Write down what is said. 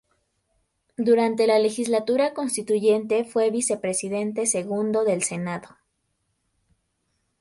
Durante la legislatura constituyente fue vicepresidente segundo del Senado.